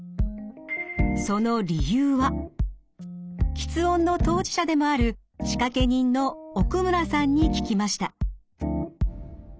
吃音の当事者でもある仕掛け人の奥村さんに聞きました。